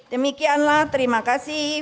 demikianlah terima kasih